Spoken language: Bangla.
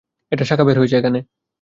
এটার শাখা বের হয়েছে এখানে।